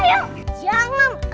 dede bayinya seneng banget